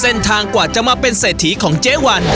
เส้นทางกว่าจะมาเป็นเสถียของเจ๊หวัน